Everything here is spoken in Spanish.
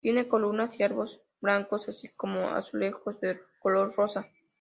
Tiene columnas y arcos blancos, así como azulejos de color rosa.